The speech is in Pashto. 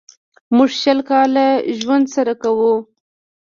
موږ شل کاله ژوند سره کوو.